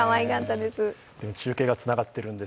中継がつながっているんです。